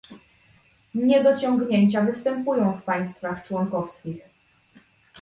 Niedociągnięcia występują w państwach członkowskich